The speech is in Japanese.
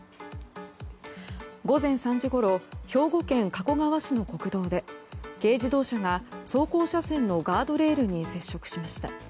午前３時ごろ兵庫県加古川市の国道で軽自動車が走行車線のガードレールに接触しました。